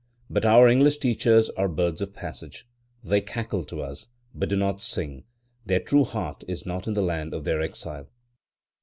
But our English teachers are birds of passage; they cackle to us, but do not sing,—their true heart is not in the land of their exile.